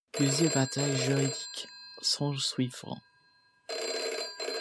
Plusieurs batailles juridiques s'en suivront.